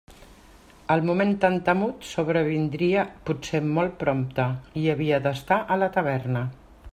El moment tan temut sobrevindria potser molt prompte, i havia d'estar a la taverna.